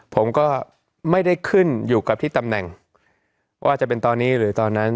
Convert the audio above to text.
ผมก็ไม่ได้ขึ้นอยู่กับที่ตำแหน่งว่าจะเป็นตอนนี้หรือตอนนั้น